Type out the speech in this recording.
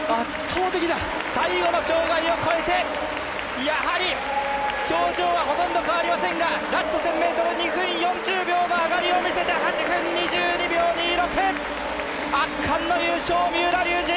最後の障害を越えて、表情はほとんど変わりませんが、ラスト１０００ｍ２分４０秒の上がりを見せて８分２２秒２６、圧巻の優勝三浦龍司。